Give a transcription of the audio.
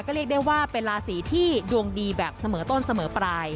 ก็เรียกได้ว่าเป็นราศีที่ดวงดีแบบเสมอต้นเสมอปลาย